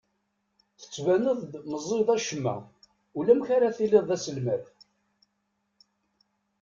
Tettbineḍ-d meẓẓiyeḍ acemma, ulamek ara tiliḍ d aselmad.